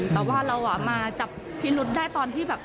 แต่ว่าเรามาจับพิรุษได้ตอนที่แบบ